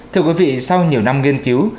thưa quý vị sau nhiều năm nghiên cứu